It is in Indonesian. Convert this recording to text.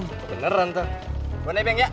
gue nebeng ya